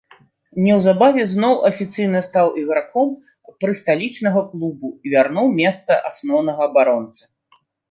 Неўзабаве зноў афіцыйна стаў іграком прысталічнага клуба і вярнуў месца асноўнага абаронцы.